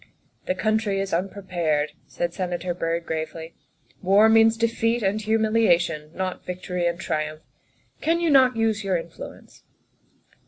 " The country is unprepared," said Senator Byrd gravely; " war means defeat and humiliation, not vic tory and triumph. Can you not use your influence